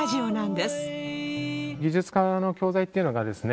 技術科の教材っていうのがですね